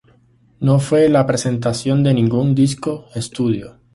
No fue la presentación de ningún disco de estudio.